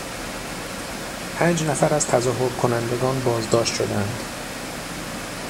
پنج نفر از تظاهرکنندگان بازداشت شدند.